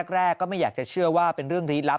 แรกก็ไม่อยากจะเชื่อว่าเป็นเรื่องลี้ลับ